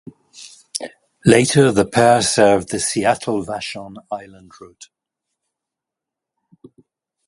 Later the pair served the Seattle-Vashon Island route.